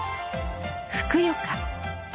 ふくよか！